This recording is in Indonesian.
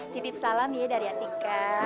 titip salam ya dari atika